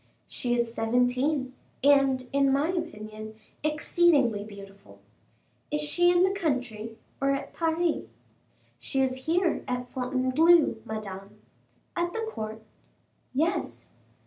"She is seventeen, and, in my opinion, exceedingly beautiful." "Is she in the country, or at Paris?" "She is here at Fontainebleau, Madame." "At the court?" "Yes."